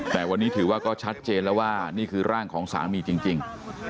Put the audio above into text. แต่วันนี้ถือว่าก็ชัดเจนแล้วว่านี่คือร่างของสามีจริง